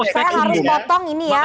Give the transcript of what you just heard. saya harus potong ini ya